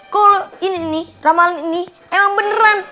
kalau ini nih ramalan ini emang beneran